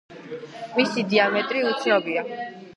მისი დიამეტრი უცნობია.